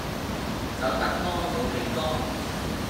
走得摩冇鼻哥